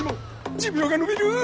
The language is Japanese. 寿命が延びる！